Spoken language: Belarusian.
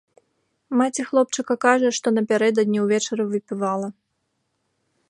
Маці хлопчыка кажа, што напярэдадні ўвечары выпівала.